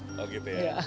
oh gitu ya